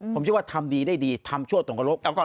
ผมคิดว่าทำดีได้ดีทำชั่วตรงกระโลก